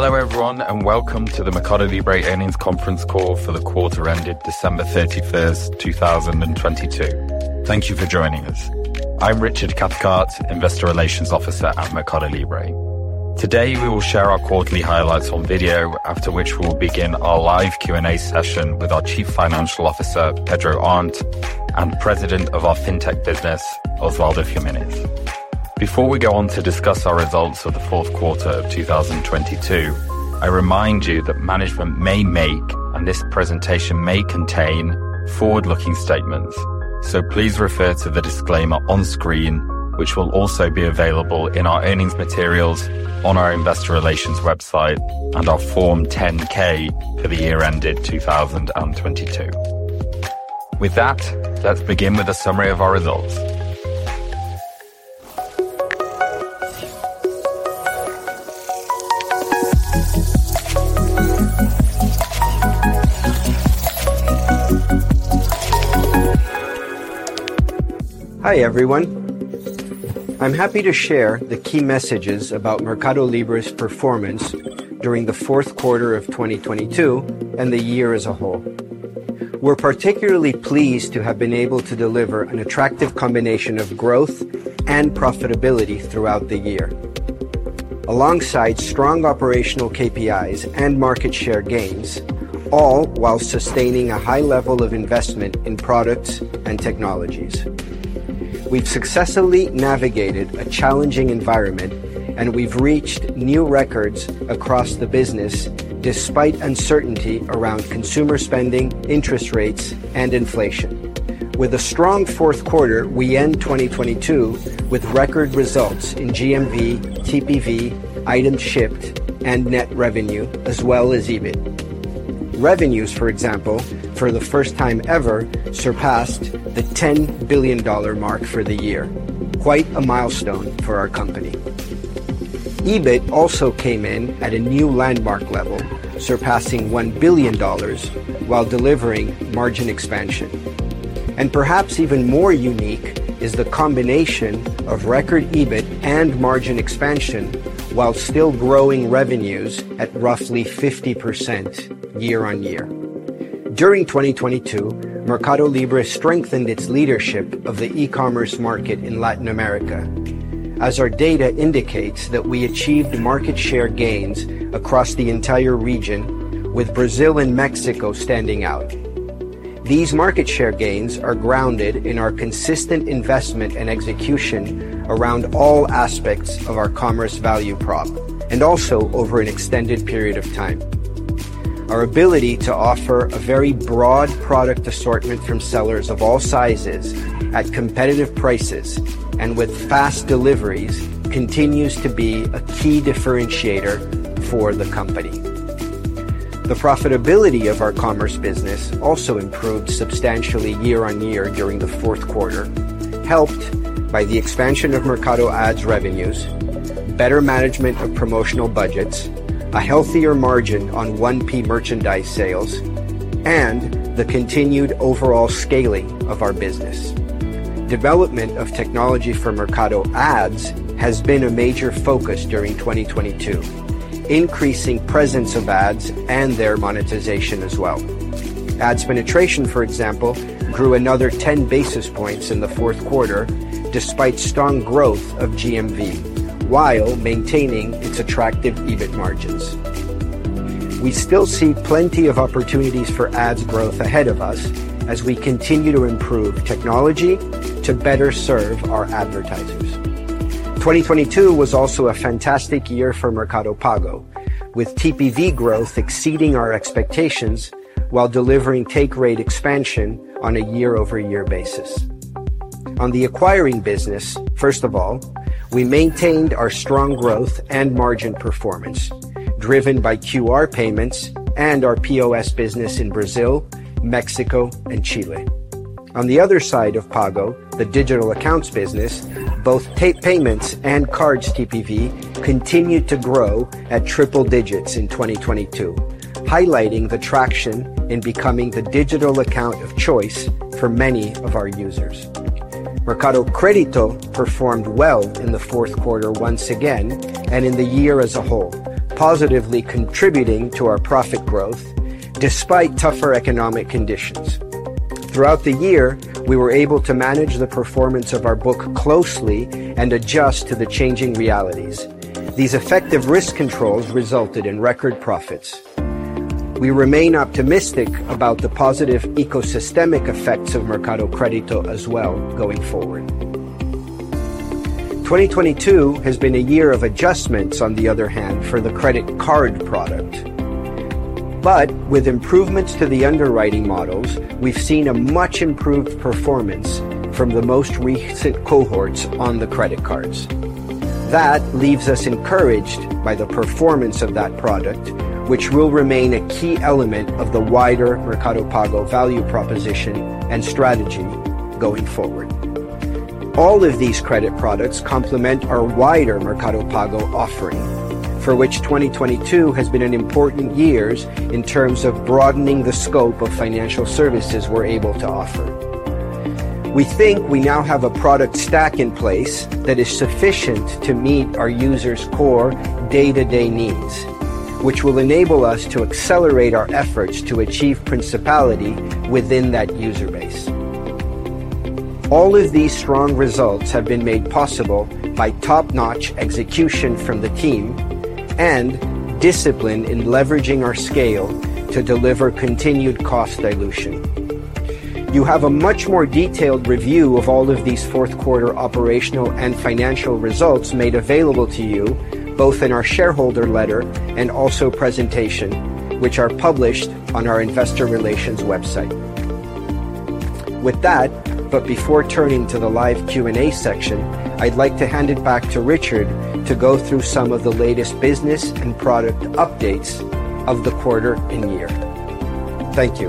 Hello, everyone, welcome to the MercadoLibre Earnings Conference Call for the quarter ended December 31st, 2022. Thank you for joining us. I'm Richard Cathcart, Investor Relations Officer at MercadoLibre. Today, we will share our quarterly highlights on video after which we'll begin our live Q&A session with our Chief Financial Officer, Pedro Arnt, and President of our Fintech business, Osvaldo Giménez. Before we go on to discuss our results for the Q4 of 2022, I remind you that management may make, and this presentation may contain forward-looking statements, please refer to the disclaimer on screen, which will also be available in our earnings materials on our investor relations website and our Form 10-K for the year ended 2022. With that, let's begin with a summary of our results. Hi, everyone. I'm happy to share the key messages about MercadoLibre's performance during the Q4 of 2022 and the year as a whole. We're particularly pleased to have been able to deliver an attractive combination of growth and profitability throughout the year. Alongside strong operational KPIs and market share gains, all while sustaining a high level of investment in products and technologies. We've successfully navigated a challenging environment. We've reached new records across the business despite uncertainty around consumer spending, interest rates, and inflation. With a strong Q4, we end 2022 with record results in GMV, TPV, items shipped, and net revenue, as well as EBIT. Revenues, for example, for the first time ever, surpassed the $10 billion mark for the year. Quite a milestone for our company. EBIT also came in at a new landmark level, surpassing $1 billion while delivering margin expansion. Perhaps even more unique is the combination of record EBIT and margin expansion while still growing revenues at roughly 50% year-on-year. During 2022, MercadoLibre strengthened its leadership of the e-commerce market in Latin America, as our data indicates that we achieved market share gains across the entire region with Brazil and Mexico standing out. These market share gains are grounded in our consistent investment and execution around all aspects of our commerce value prop, and also over an extended period of time. Our ability to offer a very broad product assortment from sellers of all sizes at competitive prices and with fast deliveries continues to be a key differentiator for the company. The profitability of our commerce business also improved substantially year on year during the Q4, helped by the expansion of Mercado Ads revenues, better management of promotional budgets, a healthier margin on 1P merchandise sales, and the continued overall scaling of our business. Development of technology for Mercado Ads has been a major focus during 2022, increasing presence of ads and their monetization as well. Ads penetration, for example, grew another 10 basis points in the Q4 despite strong growth of GMV while maintaining its attractive EBIT margins. We still see plenty of opportunities for ads growth ahead of us as we continue to improve technology to better serve our advertisers. 2022 was also a fantastic year for Mercado Pago, with TPV growth exceeding our expectations while delivering take rate expansion on a year over year basis. On the acquiring business, first of all, we maintained our strong growth and margin performance driven by QR payments and our POS business in Brazil, Mexico, and Chile. On the other side of Pago, the digital accounts business, both pay-payments and cards TPV continued to grow at triple digits in 2022, highlighting the traction in becoming the digital account of choice for many of our users. Mercado Crédito performed well in the Q4 once again and in the year as a whole, positively contributing to our profit growth despite tougher economic conditions. Throughout the year, we were able to manage the performance of our book closely and adjust to the changing realities. These effective risk controls resulted in record profits. We remain optimistic about the positive ecosystemic effects of Mercado Crédito as well going forward. 2022 has been a year of adjustments, on the other hand, for the credit card product. With improvements to the underwriting models, we've seen a much improved performance from the most recent cohorts on the credit cards. That leaves us encouraged by the performance of that product, which will remain a key element of the wider Mercado Pago value proposition and strategy going forward. All of these credit products complement our wider Mercado Pago offering, for which 2022 has been an important years in terms of broadening the scope of financial services we're able to offer. We think we now have a product stack in place that is sufficient to meet our users' core day-to-day needs, which will enable us to accelerate our efforts to achieve principality within that user base. All of these strong results have been made possible by top-notch execution from the team and discipline in leveraging our scale to deliver continued cost dilution. You have a much more detailed review of all of these Q4 operational and financial results made available to you, both in our shareholder letter and also presentation, which are published on our investor relations website. With that, but before turning to the live Q&A section, I'd like to hand it back to Richard to go through some of the latest business and product updates of the quarter and year. Thank you.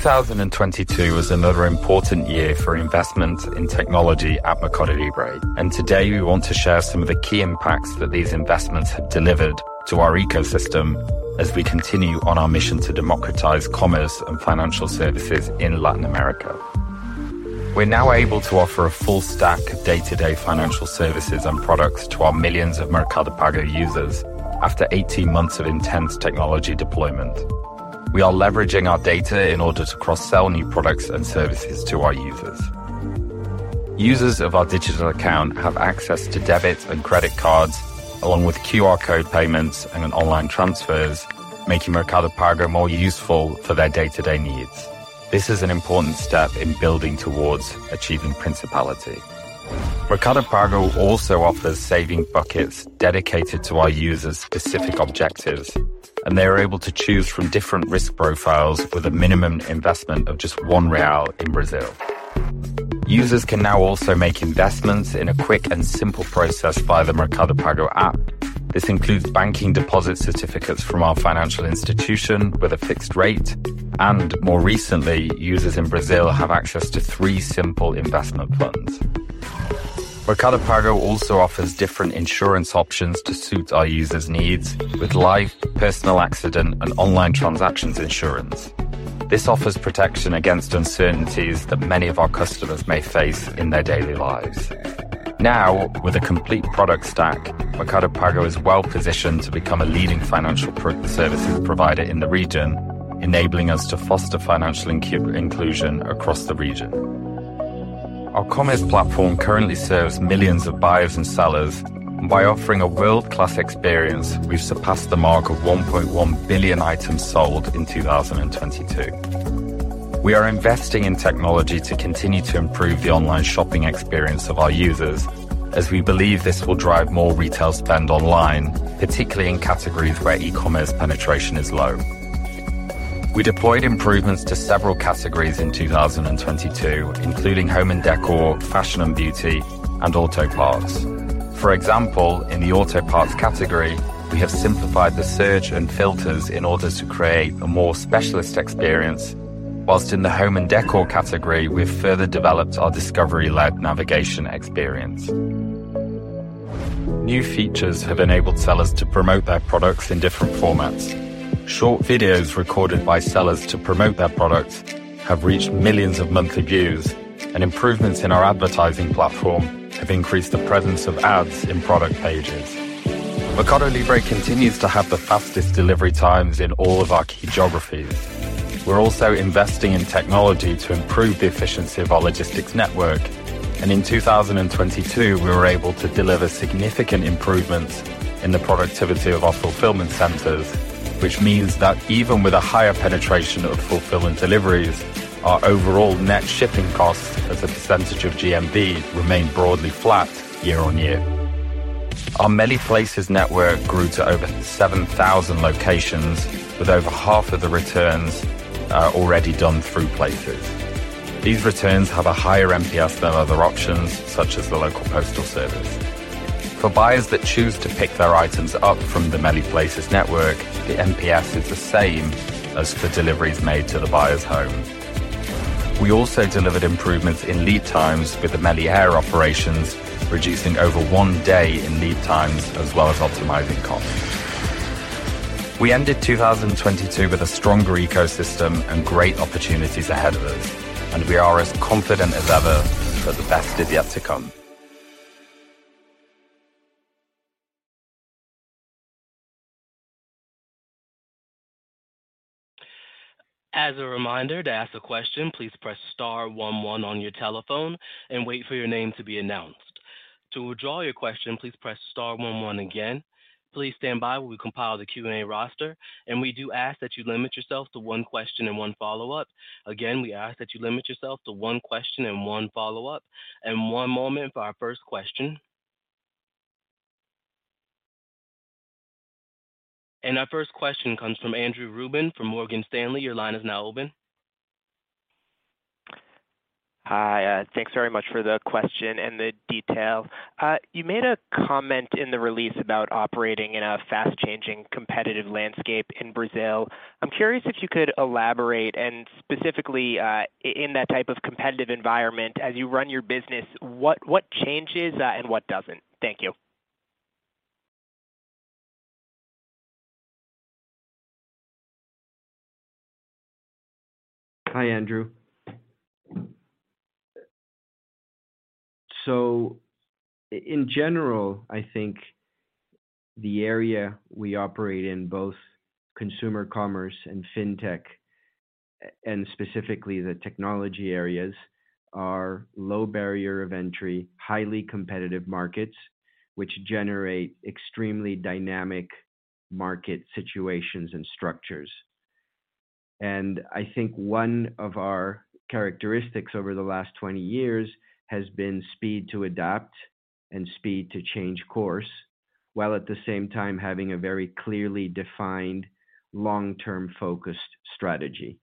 2022 was another important year for investment in technology at MercadoLibre. Today we want to share some of the key impacts that these investments have delivered to our ecosystem as we continue on our mission to democratize commerce and financial services in Latin America. We're now able to offer a full stack of day-to-day financial services and products to our millions of Mercado Pago users after 18 months of intense technology deployment. We are leveraging our data in order to cross-sell new products and services to our users. Users of our digital account have access to debit and credit cards, along with QR code payments and online transfers, making Mercado Pago more useful for their day-to-day needs. This is an important step in building towards achieving principality. Mercado Pago also offers saving buckets dedicated to our users' specific objectives, and they are able to choose from different risk profiles with a minimum investment of just 1 real in Brazil. Users can now also make investments in a quick and simple process via the Mercado Pago app. This includes banking deposit certificates from our financial institution with a fixed rate, and more recently, users in Brazil have access to three simple investment funds. Mercado Pago also offers different insurance options to suit our users' needs with life, personal accident, and online transactions insurance. This offers protection against uncertainties that many of our customers may face in their daily lives. With a complete product stack, Mercado Pago is well positioned to become a leading financial services provider in the region, enabling us to foster financial inclusion across the region. Our commerce platform currently serves millions of buyers and sellers. By offering a world-class experience, we've surpassed the mark of 1.1 billion items sold in 2022. We are investing in technology to continue to improve the online shopping experience of our users as we believe this will drive more retail spend online, particularly in categories where e-commerce penetration is low. We deployed improvements to several categories in 2022, including home and decor, fashion and beauty, and auto parts. For example, in the auto parts category, we have simplified the search and filters in order to create a more specialist experience, whilst in the home and decor category, we've further developed our discovery-led navigation experience. New features have enabled sellers to promote their products in different formats. Short videos recorded by sellers to promote their products have reached millions of monthly views. Improvements in our advertising platform have increased the presence of ads in product pages. MercadoLibre continues to have the fastest delivery times in all of our key geographies. We're also investing in technology to improve the efficiency of our logistics network. In 2022, we were able to deliver significant improvements in the productivity of our fulfillment centers, which means that even with a higher penetration of fulfillment deliveries, our overall net shipping costs as a percentage of GMV remained broadly flat year-over-year. Our MELI Places network grew to over 7,000 locations with over half of the returns already done through Places. These returns have a higher NPS than other options, such as the local postal service. For buyers that choose to pick their items up from the MELI Places network, the MPS is the same as for deliveries made to the buyer's home. We also delivered improvements in lead times with the MELI Air operations, reducing over one day in lead times as well as optimizing costs. We ended 2022 with a stronger ecosystem and great opportunities ahead of us, We are as confident as ever that the best is yet to come. As a reminder, to ask a question, please press star one one on your telephone and wait for your name to be announced. To withdraw your question, please press star one one again. Please stand by while we compile the Q&A roster. We do ask that you limit yourself to one question and one follow-up. Again, we ask that you limit yourself to one question and one follow-up. One moment for our first question. Our first question comes from Andrew Ruben from Morgan Stanley. Your line is now open. Hi, thanks very much for the question and the detail. You made a comment in the release about operating in a fast-changing, competitive landscape in Brazil. I'm curious if you could elaborate and specifically, in that type of competitive environment as you run your business, what changes, and what doesn't? Thank you. Hi, Andrew. In general, I think the area we operate in, both consumer commerce and fintech, and specifically the technology areas, are low barrier of entry, highly competitive markets which generate extremely dynamic market situations and structures. I think one of our characteristics over the last 20 years has been speed to adapt and speed to change course, while at the same time having a very clearly defined long-term focused strategy.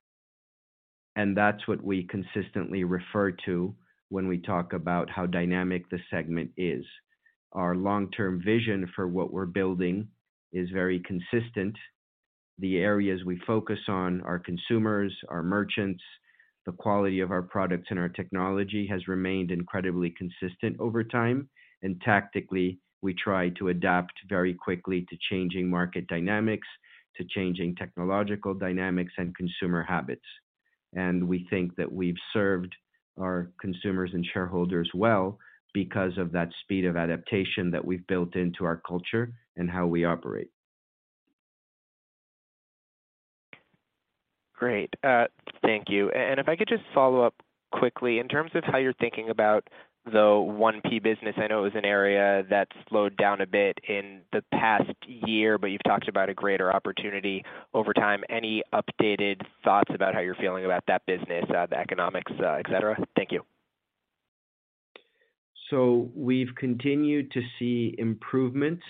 That's what we consistently refer to when we talk about how dynamic the segment is. Our long-term vision for what we're building is very consistent. The areas we focus on are consumers, are merchants. The quality of our products and our technology has remained incredibly consistent over time, and tactically, we try to adapt very quickly to changing market dynamics, to changing technological dynamics and consumer habits. We think that we've served our consumers and shareholders well because of that speed of adaptation that we've built into our culture and how we operate. Great. Thank you. If I could just follow up quickly. In terms of how you're thinking about the 1P business, I know it was an area that slowed down a bit in the past year, but you've talked about a greater opportunity over time. Any updated thoughts about how you're feeling about that business, the economics, et cetera? Thank you. We've continued to see improvements,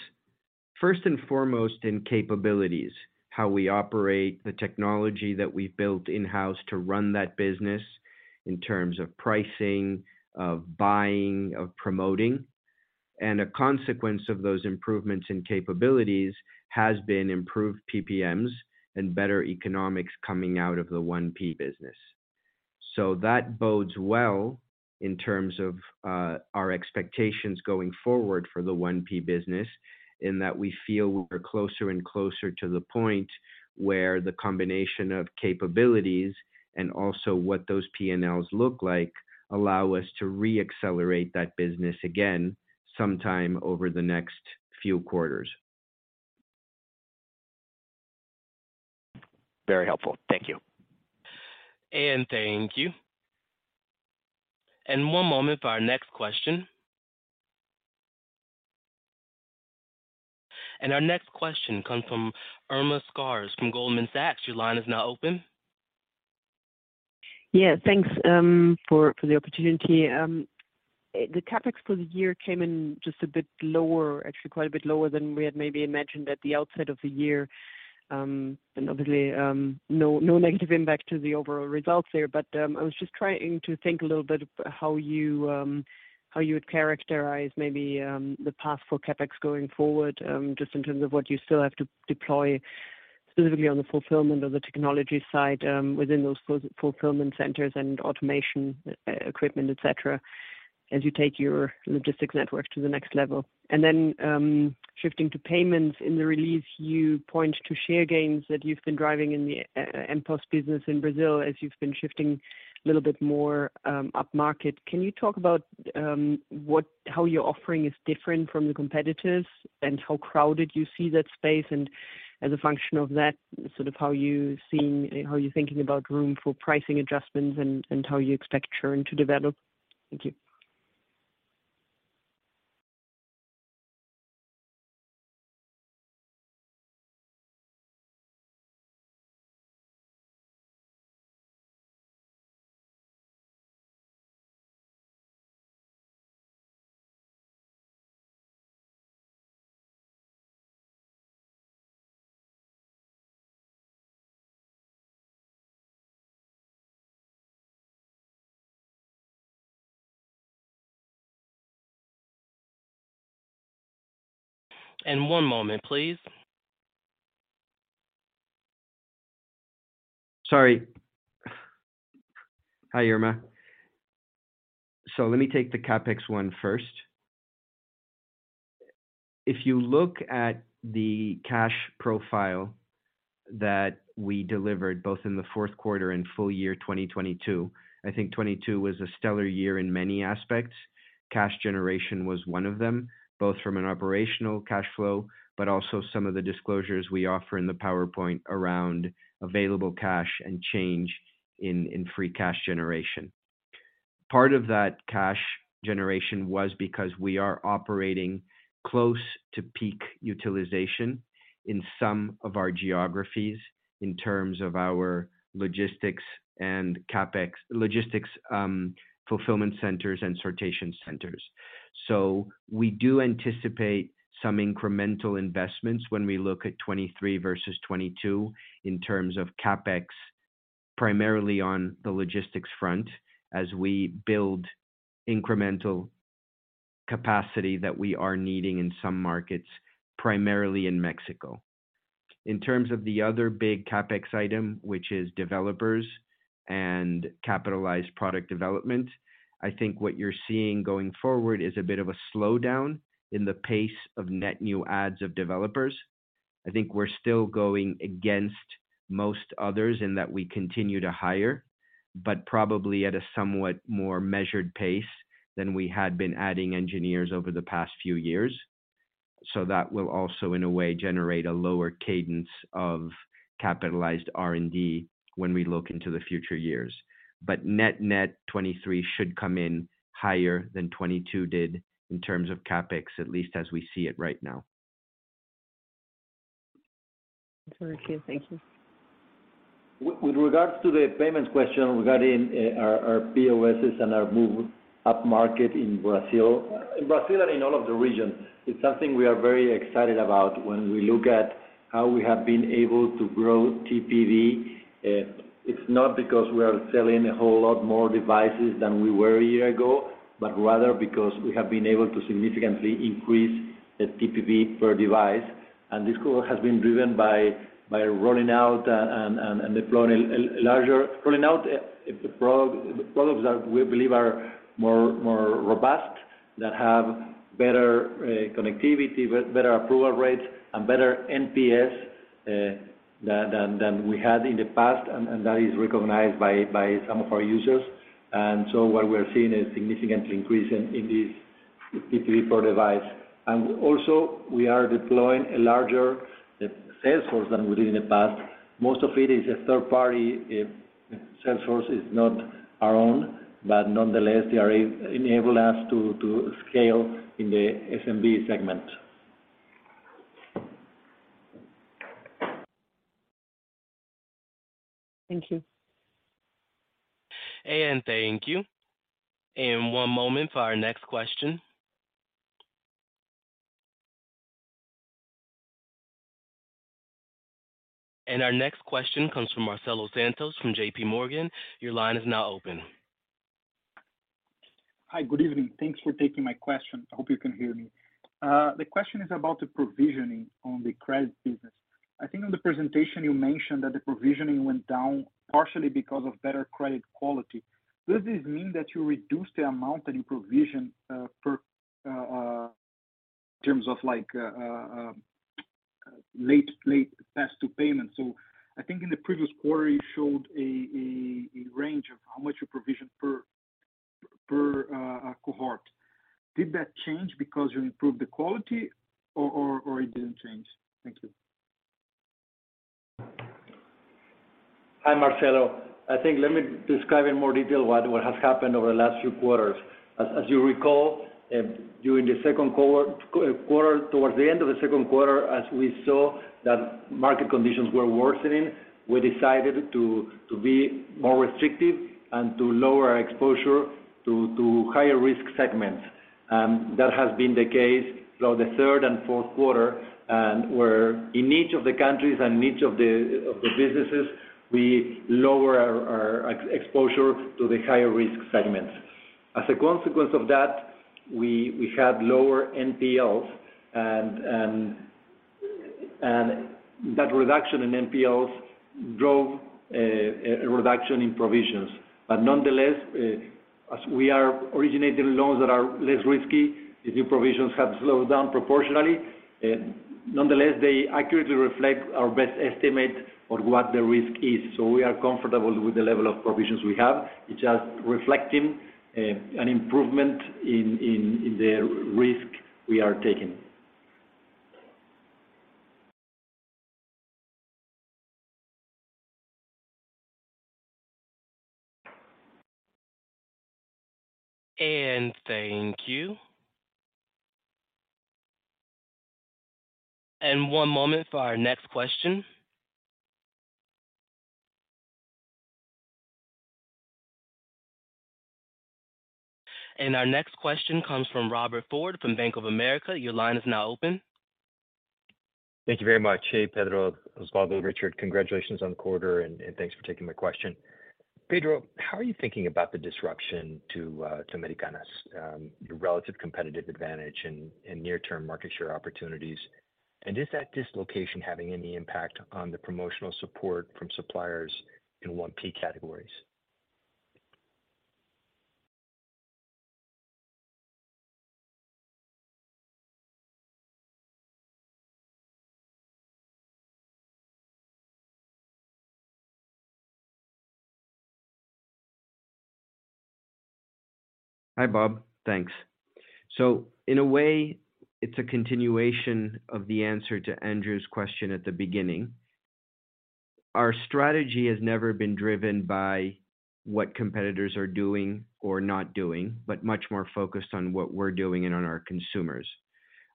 first and foremost in capabilities, how we operate the technology that we've built in-house to run that business in terms of pricing, of buying, of promoting. A consequence of those improvements in capabilities has been improved PPMs and better economics coming out of the 1P business. That bodes well in terms of our expectations going forward for the 1P business, in that we feel we're closer and closer to the point where the combination of capabilities and also what those P&Ls look like allow us to re-accelerate that business again sometime over the next few quarters. Very helpful. Thank you. Thank you. One moment for our next question. Our next question comes from Irma Sgarz from Goldman Sachs. Your line is now open. Yeah, thanks for the opportunity. The CapEx for the year came in just a bit lower, actually, quite a bit lower than we had maybe imagined at the outset of the year. Obviously, no negative impact to the overall results there. I was just trying to think a little bit how you would characterize maybe the path for CapEx going forward, just in terms of what you still have to deploy specifically on the fulfillment of the technology side, within those fulfillment centers and automation equipment, et cetera, as you take your logistics network to the next level. Then, shifting to payments. In the release, you point to share gains that you've been driving in the mPOS business in Brazil as you've been shifting a little bit more upmarket. Can you talk about how your offering is different from the competitors and how crowded you see that space? As a function of that, sort of how you're thinking about room for pricing adjustments and how you expect churn to develop? Thank you. One moment, please. Sorry. Hi, Irma. Let me take the CapEx one first. If you look at the cash profile that we delivered both in the Q4 and full year 2022, I think 2022 was a stellar year in many aspects. Cash generation was one of them, both from an operational cash flow but also some of the disclosures we offer in the PowerPoint around available cash and change in free cash generation. Part of that cash generation was because we are operating close to peak utilization in some of our geographies in terms of our logistics fulfillment centers and sortation centers. We do anticipate some incremental investments when we look at 2023 versus 2022 in terms of CapEx, primarily on the logistics front as we build incremental capacity that we are needing in some markets, primarily in Mexico. In terms of the other big CapEx item, which is developers and capitalize product development. I think what you're seeing going forward is a bit of a slowdown in the pace of net new adds of developers. I think we're still going against most others in that we continue to hire, but probably at a somewhat more measured pace than we had been adding engineers over the past few years. That will also, in a way, generate a lower cadence of capitalized R&D when we look into the future years. Net net 2023 should come in higher than 2022 did in terms of CapEx, at least as we see it right now. Thank you. With regards to the payments question regarding our POSs and our move upmarket in Brazil. In Brazil and in all of the regions, it's something we are very excited about when we look at how we have been able to grow TPV. It's not because we are selling a whole lot more devices than we were a year ago, but rather because we have been able to significantly increase the TPV per device. This growth has been driven by rolling out and deploying rolling out the pro-products that we believe are more robust, that have better connectivity, better approval rates, and better NPS than we had in the past, and that is recognized by some of our users. What we're seeing is significant increase in these TPV per device. Also we are deploying a larger sales force than we did in the past. Most of it is a third party sales force. It's not our own, but nonetheless, they are enable us to scale in the SMB segment. Thank you. Thank you. One moment for our next question. Our next question comes from Marcelo Santos from JPMorgan. Your line is now open. Hi. Good evening. Thanks for taking my question. I hope you can hear me. The question is about the provisioning on the credit business. I think in the presentation you mentioned that the provisioning went down partially because of better credit quality. Does this mean that you reduced the amount that you provision per in terms of like fast to payment? I think in the previous quarter, you showed a range of how much you provision per cohort. Did that change because you improved the quality or it didn't change? Thank you. Hi, Marcelo. I think let me describe in more detail what has happened over the last few quarters. As you recall, during the Q2, towards the end of the Q2, as we saw that market conditions were worsening, we decided to be more restrictive and to lower our exposure to higher risk segments. That has been the case throughout the third and Q4, and where in each of the countries and in each of the businesses, we lower our exposure to the higher risk segments. As a consequence of that, we had lower NPLs and that reduction in NPLs drove a reduction in provisions. Nonetheless, as we are originating loans that are less risky, the new provisions have slowed down proportionally. Nonetheless, they accurately reflect our best estimate on what the risk is. We are comfortable with the level of provisions we have. It's just reflecting an improvement in the risk we are taking. Thank you. One moment for our next question. Our next question comes from Robert Ford from Bank of America. Your line is now open. Thank you very much. Hey, Pedro, Osvaldo, Richard, congratulations on the quarter, and thanks for taking my question. Pedro, how are you thinking about the disruption to Americanas, your relative competitive advantage in near-term market share opportunities? Is that dislocation having any impact on the promotional support from suppliers in 1P categories? Hi, Bob. Thanks. In a way, it's a continuation of the answer to Andrew Ruben's question at the beginning. Our strategy has never been driven by what competitors are doing or not doing, but much more focused on what we're doing and on our consumers.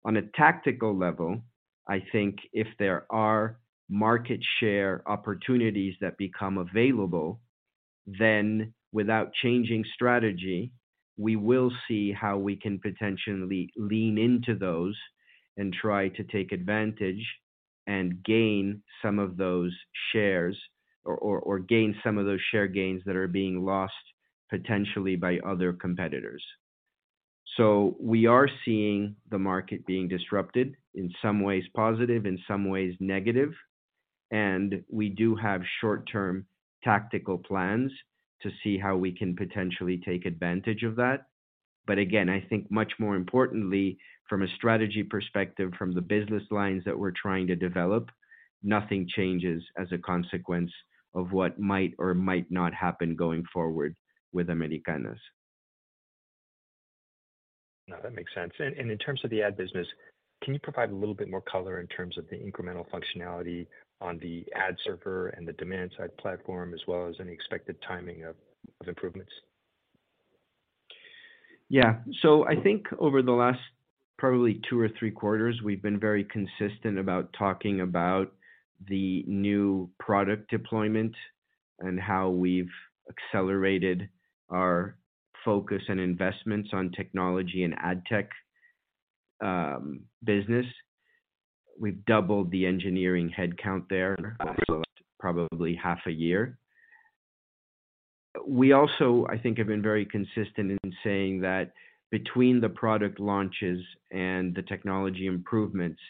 On a tactical level, I think if there are market share opportunities that become available, then without changing strategy, we will see how we can potentially lean into those and try to take advantage and gain some of those shares or gain some of those share gains that are being lost potentially by other competitors. We are seeing the market being disrupted in some ways positive, in some ways negative. We do have short-term tactical plans to see how we can potentially take advantage of that. Again, I think much more importantly, from a strategy perspective, from the business lines that we're trying to develop, nothing changes as a consequence of what might or might not happen going forward with Americanas. No, that makes sense. In terms of the ad business, can you provide a little bit more color in terms of the incremental functionality on the Ad Server and the demand side platform, as well as any expected timing of improvements? Yeah. I think over the last probably two or three quarters, we've been very consistent about talking about the new product deployment and how we've accelerated our focus and investments on technology and Ad Tech business. We've doubled the engineering headcount there over the last probably half a year. We also, I think, have been very consistent in saying that between the product launches and the technology improvements,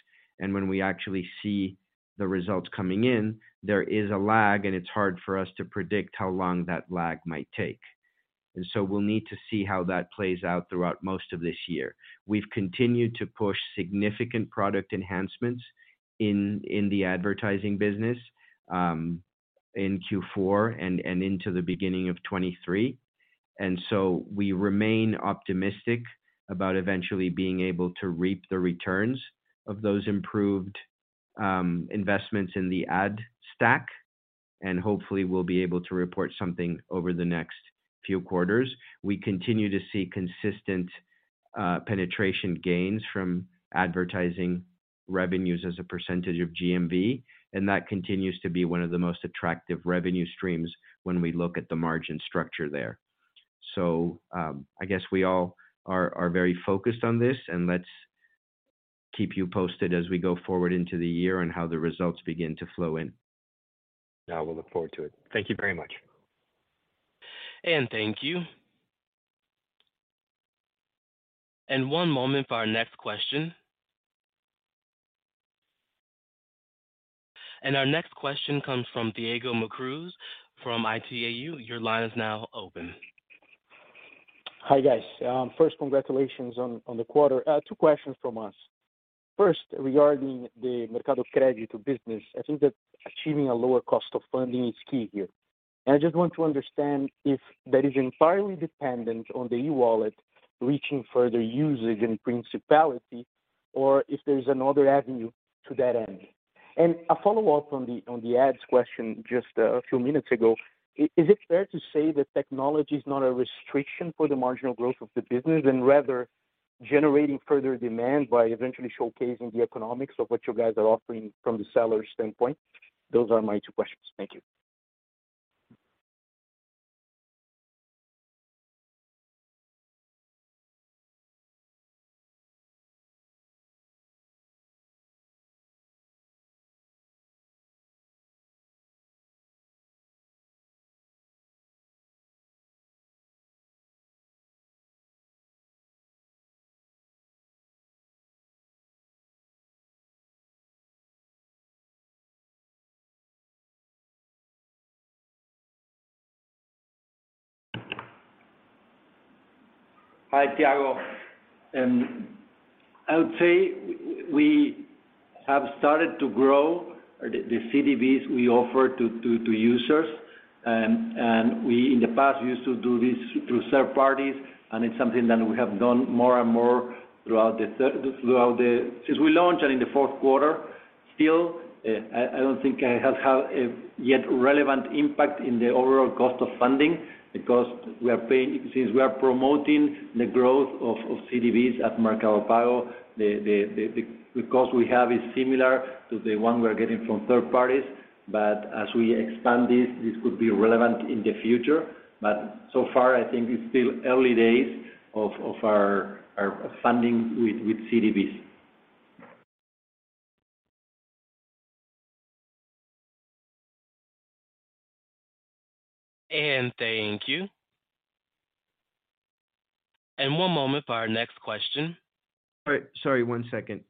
and when we actually see the results coming in, there is a lag, and it's hard for us to predict how long that lag might take. We'll need to see how that plays out throughout most of this year. We've continued to push significant product enhancements in the advertising business in Q4 and into the beginning of 2023. We remain optimistic about eventually being able to reap the returns of those improved investments in the ad stack. Hopefully we'll be able to report something over the next few quarters. We continue to see consistent penetration gains from advertising revenues as a percentage of GMV, and that continues to be one of the most attractive revenue streams when we look at the margin structure there. I guess we all are very focused on this, and let's keep you posted as we go forward into the year on how the results begin to flow in. Yeah. We'll look forward to it. Thank you very much. Thank you. One moment for our next question. Our next question comes from Thiago Macruz from Itaú BBA. Your line is now open. Hi, guys. First congratulations on the quarter. Two questions from us. First, regarding the Mercado Crédito business, I think that achieving a lower cost of funding is key here. I just want to understand if that is entirely dependent on the e-wallet reaching further usage and principality or if there's another avenue to that end. A follow-up on the ads question just a few minutes ago. Is it fair to say that technology is not a restriction for the marginal growth of the business and rather generating further demand by eventually showcasing the economics of what you guys are offering from the seller standpoint? Those are my two questions. Thank you. Hi, Thiago. I would say we have started to grow the CDBs we offer to users. We in the past used to do this through third parties, and it's something that we have done more and more since we launched and in the Q4. I don't think it has had a yet relevant impact in the overall cost of funding because since we are promoting the growth of CDBs at Mercado Pago, the cost we have is similar to the one we are getting from third parties. As we expand this could be relevant in the future. So far I think it's still early days of our funding with CDBs. Thank you. One moment for our next question. All right. Sorry, one second.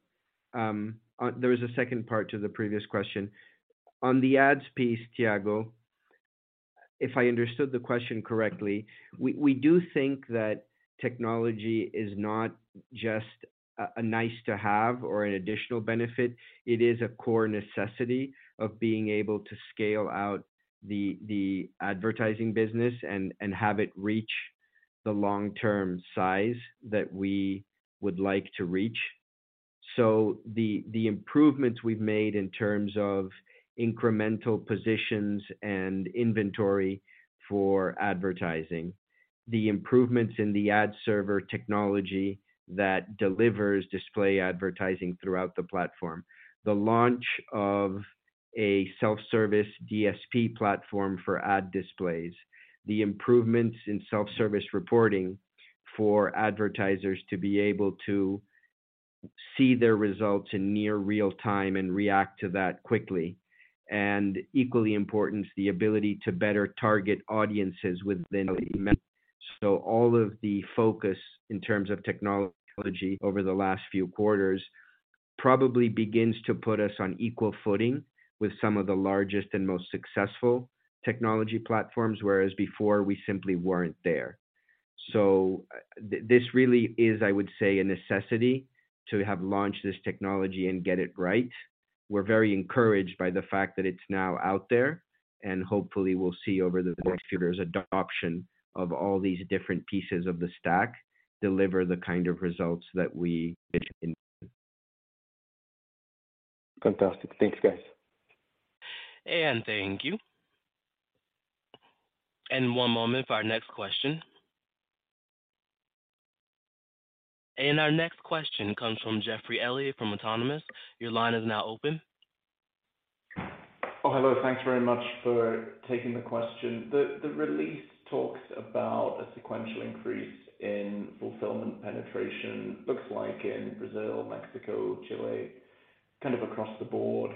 There was a second part to the previous question. On the ads piece, Thiago, if I understood the question correctly, we do think that technology is not just a nice to have or an additional benefit. It is a core necessity of being able to scale out the advertising business and have it reach the long-term size that we would like to reach. So the improvements we've made in terms of incremental positions and inventory for advertising, the improvements in the Ad Server technology that delivers display advertising throughout the platform, the launch of a self-service DSP platform for ad displays, the improvements in self-service reporting for advertisers to be able to see their results in near real time and react to that quickly. Equally important, the ability to better target audiences within 15 minutes. All of the focus in terms of technology over the last few quarters probably begins to put us on equal footing with some of the largest and most successful technology platforms, whereas before we simply weren't there. This really is, I would say, a necessity to have launched this technology and get it right. We're very encouraged by the fact that it's now out there, and hopefully we'll see over the next few years adoption of all these different pieces of the stack deliver the kind of results that we envision. Fantastic. Thanks, guys. Thank you. One moment for our next question. Our next question comes from Geoff Elliott from Autonomous. Your line is now open. Oh, hello. Thanks very much for taking the question. The release talks about a sequential increase in fulfillment penetration, looks like in Brazil, Mexico, Chile, kind of across the board.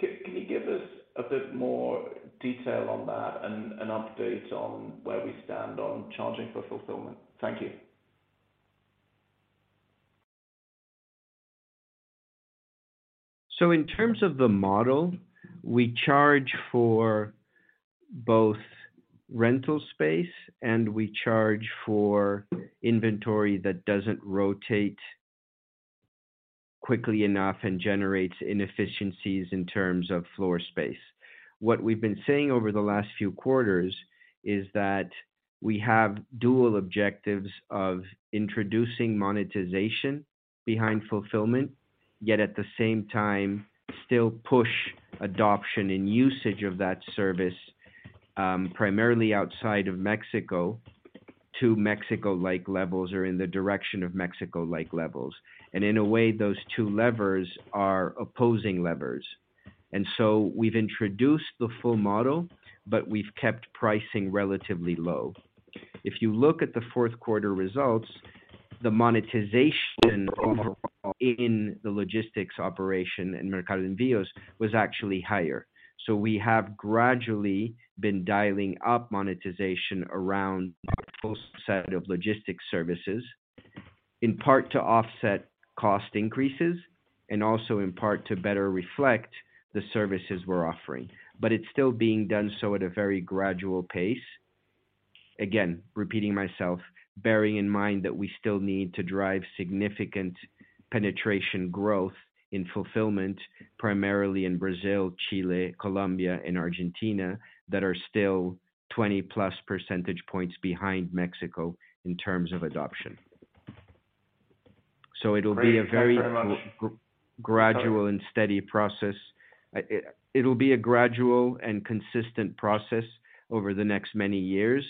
Can you give us a bit more detail on that and an update on where we stand on charging for fulfillment? Thank you. In terms of the model, we charge for both rental space, and we charge for inventory that doesn't rotate quickly enough and generates inefficiencies in terms of floor space. What we've been saying over the last few quarters is that we have dual objectives of introducing monetization behind fulfillment, yet at the same time, still push adoption and usage of that service, primarily outside of Mexico to Mexico-like levels or in the direction of Mexico-like levels. In a way, those two levers are opposing levers. We've introduced the full model, but we've kept pricing relatively low. If you look at the Q4 results, the monetization overall in the logistics operation in Mercado Envíos was actually higher. We have gradually been dialing up monetization around our full set of logistics services, in part to offset cost increases and also in part to better reflect the services we're offering. It's still being done so at a very gradual pace. Again, repeating myself, bearing in mind that we still need to drive significant penetration growth in fulfillment, primarily in Brazil, Chile, Colombia, and Argentina, that are still 20+ percentage points behind Mexico in terms of adoption. It'll be a very- Great. Thanks very much. Gradual and steady process. It'll be a gradual and consistent process over the next many years,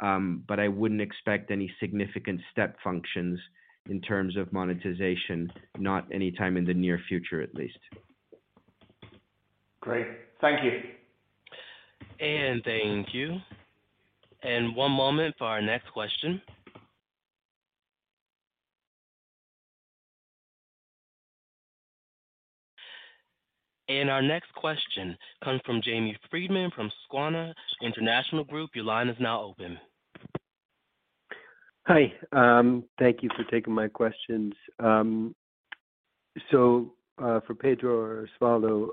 but I wouldn't expect any significant step functions in terms of monetization, not anytime in the near future, at least. Great. Thank you. Thank you. One moment for our next question. Our next question comes from Jamie Friedman from Susquehanna International Group. Your line is now open. Hi. Thank you for taking my questions. For Pedro or Osvaldo,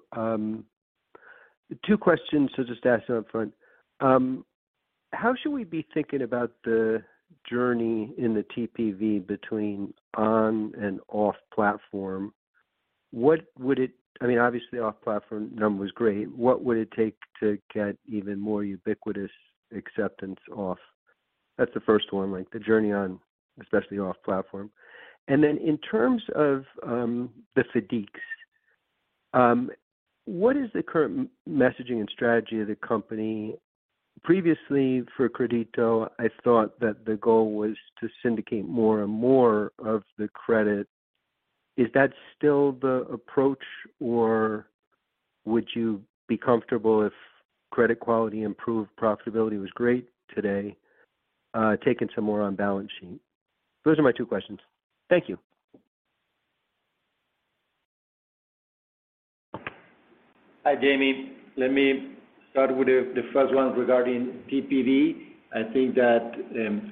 two questions to just ask up front. How should we be thinking about the journey in the TPV between on and off platform? I mean, obviously, off platform number is great. What would it take to get even more ubiquitous acceptance off? That's the first one, like the journey on, especially off platform. In terms of the FIDICs, what is the current messaging and strategy of the company? Previously for Crédito, I thought that the goal was to syndicate more and more of the credit. Is that still the approach, or would you be comfortable if credit quality improved, profitability was great today, taking some more on balance sheet? Those are my two questions. Thank you. Hi, Jamie. Let me start with the first one regarding TPV. I think that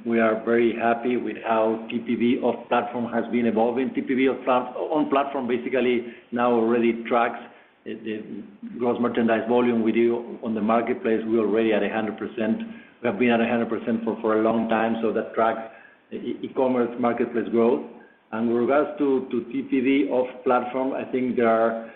we are very happy with how TPV off platform has been evolving. TPV on platform basically now already tracks the gross merchandise volume we do on the marketplace. We're already at 100%. We have been at 100% for a long time, so that tracks e-commerce marketplace growth. With regards to TPV off platform, I think there are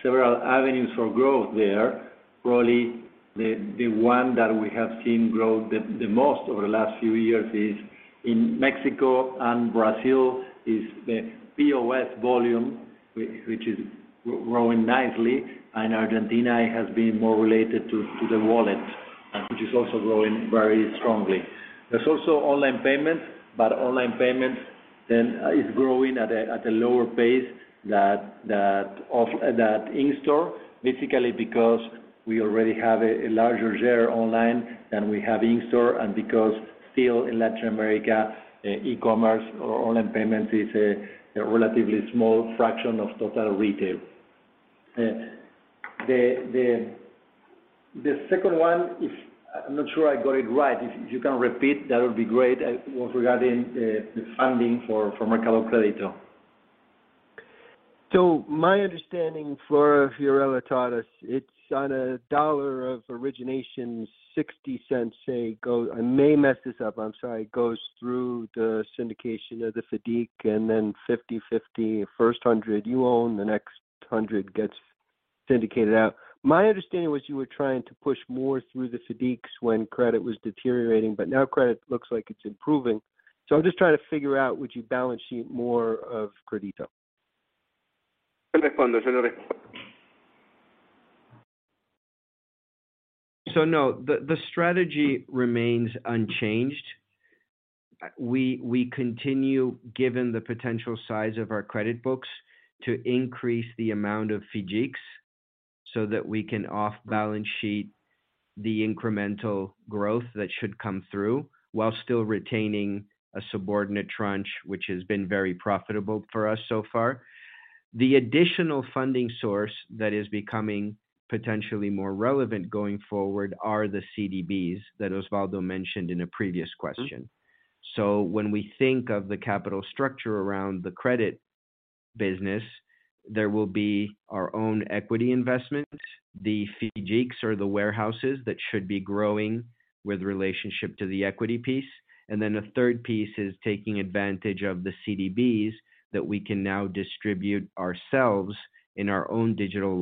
several avenues for growth there. Probably the one that we have seen grow the most over the last few years is in Mexico and Brazil, is the POS volume which is growing nicely, and Argentina has been more related to the wallet, which is also growing very strongly. There's also online payments, but online payments then is growing at a lower pace that in-store, basically because we already have a larger share online than we have in-store and because still in Latin America, e-commerce or online payments is a relatively small fraction of total retail. The second one is I'm not sure I got it right. If you can repeat, that would be great. It was regarding the funding for Mercado Crédito. My understanding, Flora Fiorillo taught us, it's on $1 of origination, $0.60, say, I may mess this up, I'm sorry, goes through the syndication of the FIDIC, and then 50/50. First $100 you own, the next $100 gets syndicated out. My understanding was you were trying to push more through the FIDCs when credit was deteriorating, but now credit looks like it's improving. I'm just trying to figure out, would you balance sheet more of Crédito? No, the strategy remains unchanged. We continue, given the potential size of our credit books, to increase the amount of FIDCs so that we can off balance sheet the incremental growth that should come through, while still retaining a subordinate tranche, which has been very profitable for us so far. The additional funding source that is becoming potentially more relevant going forward are the CDBs that Osvaldo mentioned in a previous question. When we think of the capital structure around the credit business, there will be our own equity investments, the FIDCs or the warehouses that should be growing with relationship to the equity piece. The third piece is taking advantage of the CDBs that we can now distribute ourselves in our own digital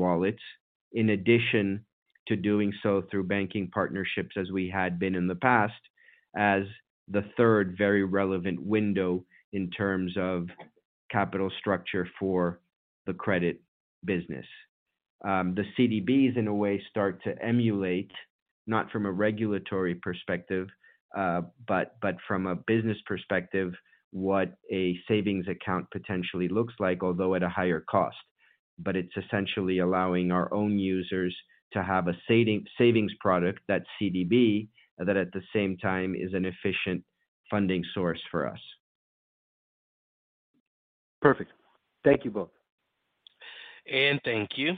wallets, in addition to doing so through banking partnerships as we had been in the past, as the third very relevant window in terms of capital structure for the credit business. The CDBs in a way start to emulate, not from a regulatory perspective, but from a business perspective, what a savings account potentially looks like, although at a higher cost. It's essentially allowing our own users to have a savings product, that CDB, that at the same time is an efficient funding source for us. Perfect. Thank you both. Thank you.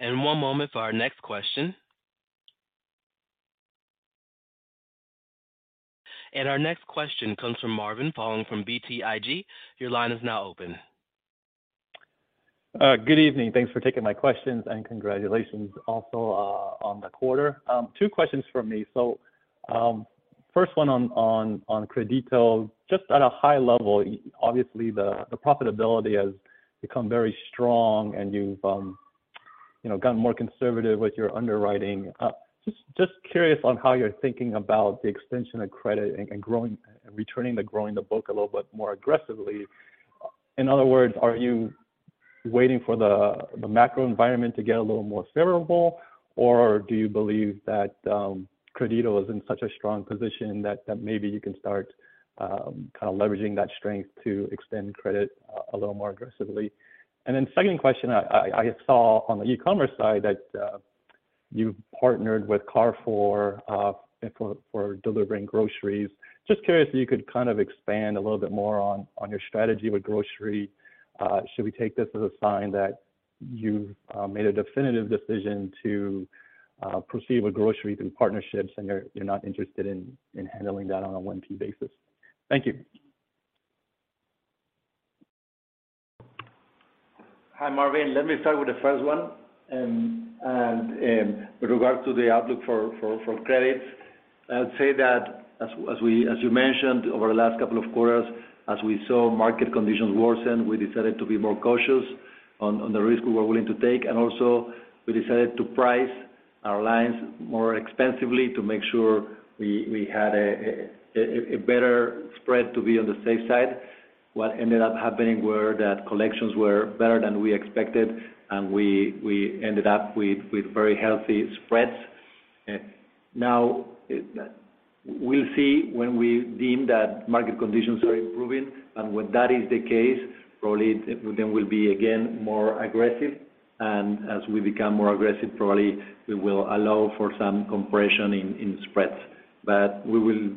One moment for our next question. Our next question comes from Marvin Fong from BTIG. Your line is now open. Good evening. Thanks for taking my questions, congratulations also on the quarter. Two questions from me. First one on Crédito. Just at a high level, obviously the profitability has become very strong and you've, you know, gotten more conservative with your underwriting. Just curious on how you're thinking about the extension of credit and returning to growing the book a little bit more aggressively. In other words, are you waiting for the macro environment to get a little more favorable? Or do you believe that Crédito is in such a strong position that maybe you can start kind of leveraging that strength to extend credit a little more aggressively? Second question, I saw on the e-commerce side that you partnered with Carrefour for delivering groceries. Just curious if you could kind of expand a little bit more on your strategy with grocery. Should we take this as a sign that you've made a definitive decision to proceed with groceries and partnerships and you're not interested in handling that on a 1P basis? Thank you. Hi, Marvin. Let me start with the first one. With regard to the outlook for credit, I'd say that as you mentioned, over the last couple of quarters, as we saw market conditions worsen, we decided to be more cautious on the risk we were willing to take. Also we decided to price our lines more expensively to make sure we had a better spread to be on the safe side. What ended up happening were that collections were better than we expected, and we ended up with very healthy spreads. Now we'll see when we deem that market conditions are improving. When that is the case, probably then we'll be again more aggressive. As we become more aggressive, probably we will allow for some compression in spreads. But we will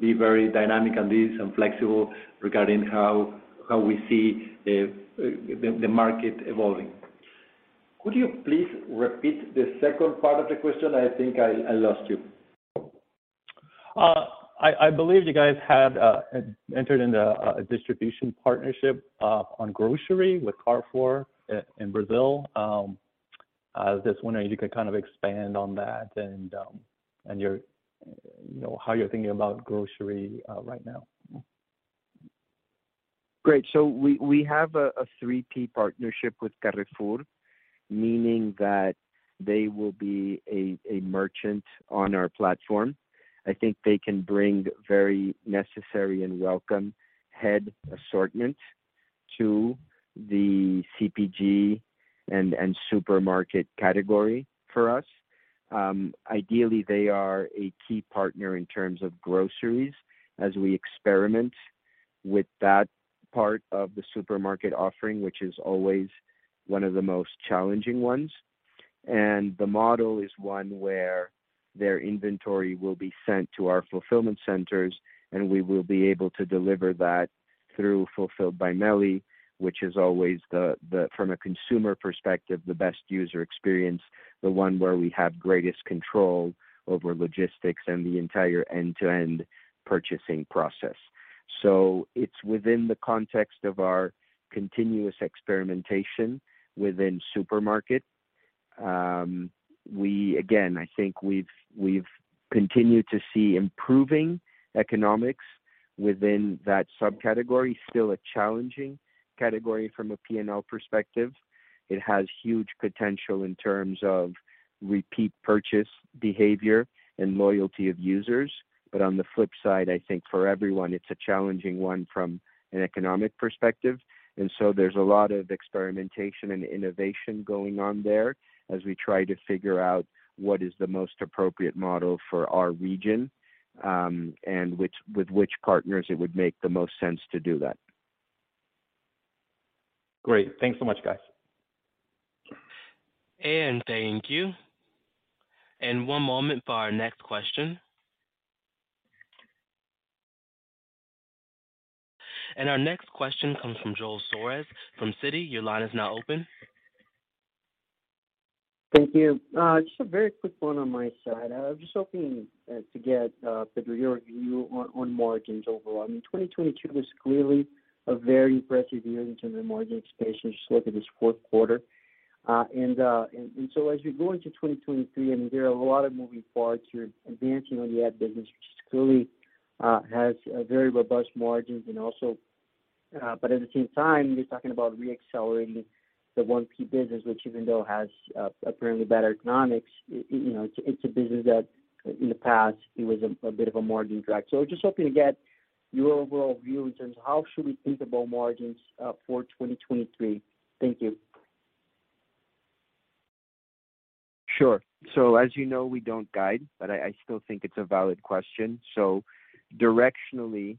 be very dynamic on this and flexible regarding how we see the market evolving. Could you please repeat the second part of the question? I think I lost you. I believe you guys had entered into a distribution partnership on grocery with Carrefour in Brazil. I was just wondering if you could kind of expand on that and your, you know, how you're thinking about grocery right now? Great. We have a three-tier partnership with Carrefour, meaning that they will be a merchant on our platform. I think they can bring very necessary and welcome broad assortment to the CPG and supermarket category for us. Ideally, they are a key partner in terms of groceries as we experiment with that part of the supermarket offering, which is always one of the most challenging ones. The model is one where their inventory will be sent to our fulfillment centers, and we will be able to deliver that through Fulfilled by MELI, which is always the from a consumer perspective, the best user experience, the one where we have greatest control over logistics and the entire end-to-end purchasing process. It's within the context of our continuous experimentation within supermarket. We again, I think we've continued to see improving economics within that subcategory. Still a challenging category from a P&L perspective. It has huge potential in terms of repeat purchase behavior and loyalty of users. On the flip side, I think for everyone it's a challenging one from an economic perspective. So there's a lot of experimentation and innovation going on there as we try to figure out what is the most appropriate model for our region, with which partners it would make the most sense to do that. Great. Thanks so much, guys. Thank you. One moment for our next question. Our next question comes from João Soares from Citi. Your line is now open. Thank you. Just a very quick one on my side. I was just hoping to get Pedro, your view on margins overall. I mean, 2022 was clearly a very impressive year in terms of margin expansion. Just look at this Q4. So as we go into 2023, I mean, there are a lot of moving parts. You're advancing on the Ad business, which clearly has very robust margins. At the same time, you're talking about reaccelerating the 1P business, which even though has apparently better economics, you know, it's a business that in the past it was a bit of a margin drag. Just hoping to get your overall view in terms of how should we think about margins for 2023. Thank you. Sure. As you know, we don't guide, but I still think it's a valid question. directionally,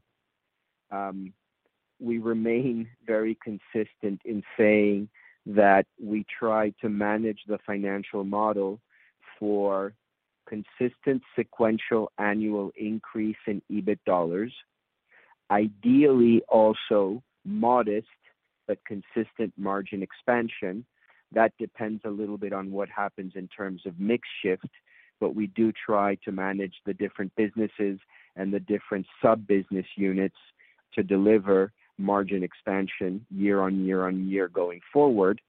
we remain very consistent in saying that we try to manage the financial model for consistent sequential annual increase in EBIT dollars. Ideally, also modest but consistent margin expansion. That depends a little bit on what happens in terms of mix shift. we do try to manage the different businesses and the different sub business units to deliver margin expansion year-on-year on year going forward.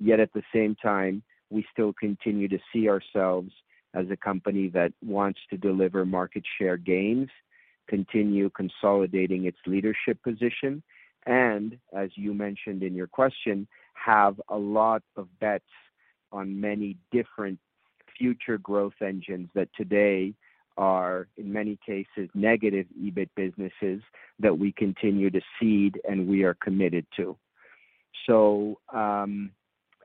Yet at the same time, we still continue to see ourselves as a company that wants to deliver market share gains, continue consolidating its leadership position, and as you mentioned in your question, have a lot of bets on many different future growth engines that today are in many cases negative EBIT businesses that we continue to seed and we are committed to.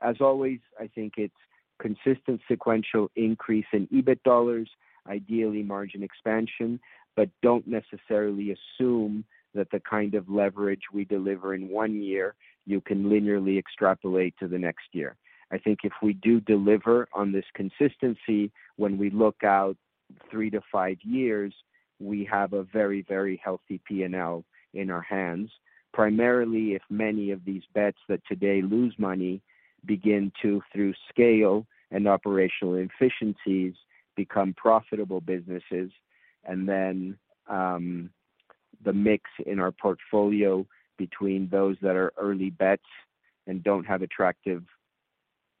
As always, I think it's consistent sequential increase in EBIT dollars, ideally margin expansion, but don't necessarily assume that the kind of leverage we deliver in one year you can linearly extrapolate to the next year. I think if we do deliver on this consistency, when we look out 3 years-5 years, we have a very, very healthy P&L in our hands. Primarily, if many of these bets that today lose money begin to, through scale and operational efficiencies, become profitable businesses. The mix in our portfolio between those that are early bets and don't have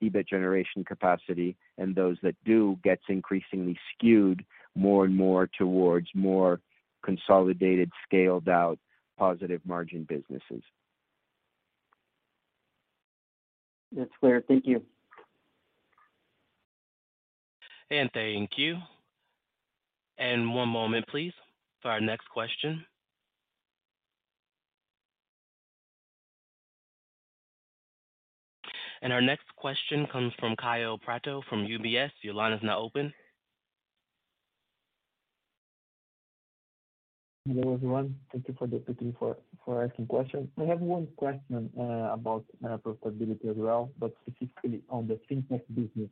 attractive EBIT generation capacity and those that do, gets increasingly skewed more and more towards more consolidated, scaled out, positive margin businesses. That's clear. Thank you. Thank you. One moment please, for our next question. Our next question comes from Kaio Prato from UBS. Your line is now open. Hello, everyone. Thank you for the opportunity for asking questions. I have one question about profitability as well, but specifically on the Fintech business.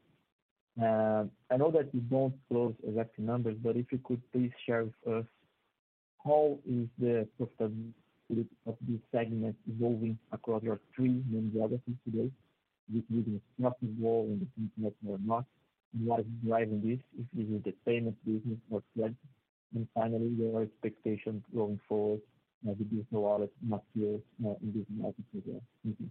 I know that you don't close exact numbers, but if you could please share with us how is the profitability of this segment evolving across your three main geographies today? Which business is not involved in the Fintech or not? What is driving this? If this is the payment business or credit? Finally, your expectations going forward as the business wallets matures more in these markets as well. Thank you.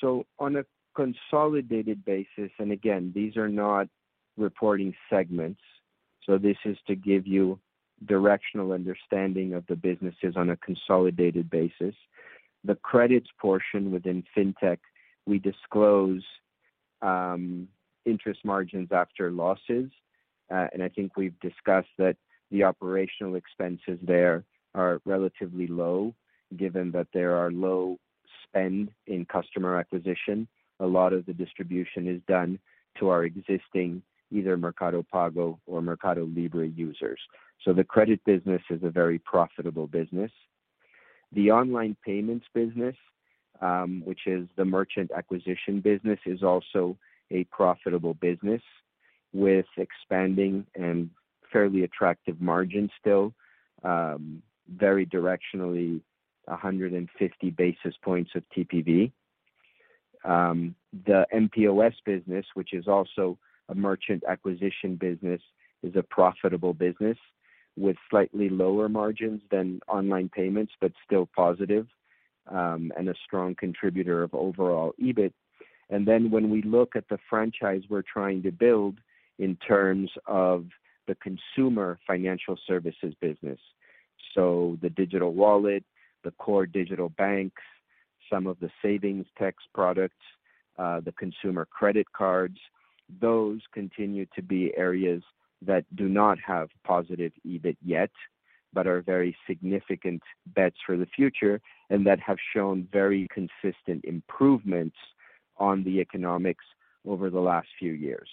Sure. On a consolidated basis, and again, these are not reporting segments, so this is to give you directional understanding of the businesses on a consolidated basis. The credits portion within fintech, we disclose interest margins after losses. I think we've discussed that the operational expenses there are relatively low given that there are low spend in customer acquisition. A lot of the distribution is done to our existing either Mercado Pago or MercadoLibre users. The credit business is a very profitable business. The online payments business, which is the merchant acquisition business, is also a profitable business with expanding and fairly attractive margin still, very directionally, 150 basis points of TPV. The mPOS business, which is also a merchant acquisition business, is a profitable business with slightly lower margins than online payments, but still positive, and a strong contributor of overall EBIT. When we look at the franchise we're trying to build in terms of the consumer financial services business, so the digital wallet, the core digital banks, some of the Savings Tech products, the consumer credit cards, those continue to be areas that do not have positive EBIT yet, but are very significant bets for the future and that have shown very consistent improvements on the economics over the last few years.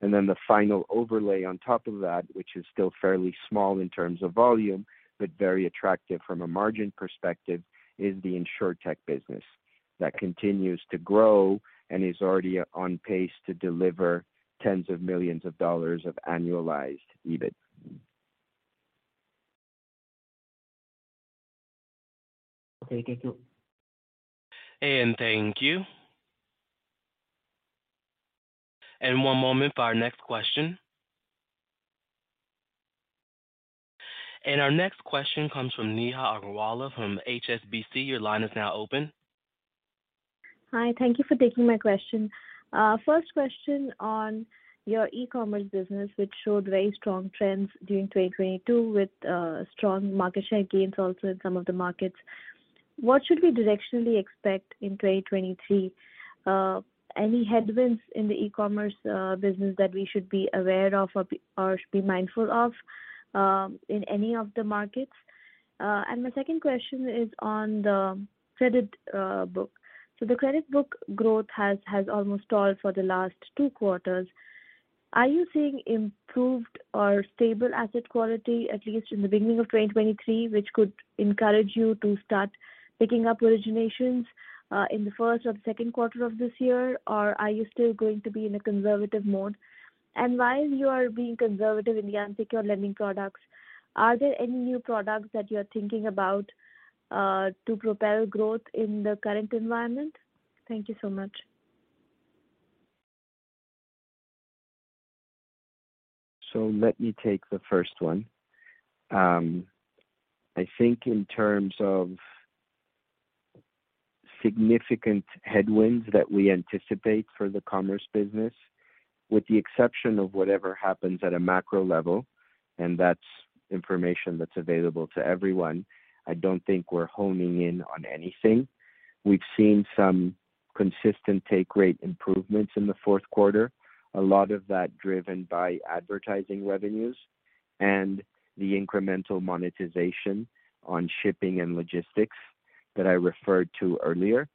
The final overlay on top of that, which is still fairly small in terms of volume, but very attractive from a margin perspective, is the InsurTech business that continues to grow and is already on pace to deliver tens of millions of dollars of annualized EBIT. Okay. Thank you. Thank you. One moment for our next question. Our next question comes from Neha Agarwala from HSBC. Your line is now open. Hi. Thank you for taking my question. First question on your e-commerce business, which showed very strong trends during 2022 with strong market share gains also in some of the markets. What should we directionally expect in 2023? Any headwinds in the e-commerce business that we should be aware of or should be mindful of in any of the markets? My second question is on the credit book. The credit book growth has almost stalled for the last two quarters. Are you seeing improved or stable asset quality, at least in the beginning of 2023, which could encourage you to start picking up originations in the 1st or the Q2 of this year? Are you still going to be in a conservative mode? While you are being conservative in the unsecured lending products, are there any new products that you are thinking about to propel growth in the current environment? Thank you so much. Let me take the first one. I think in terms of significant headwinds that we anticipate for the commerce business, with the exception of whatever happens at a macro level, and that's information that's available to everyone, I don't think we're honing in on anything. We've seen some consistent take rate improvements in the Q4. A lot of that driven by advertising revenues and the incremental monetization on shipping and logistics that I referred to earlier.